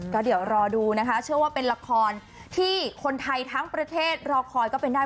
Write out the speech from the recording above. ก็เดี๋ยวรอดูนะคะเชื่อว่าเป็นละครที่คนไทยทั้งประเทศรอคอยก็เป็นได้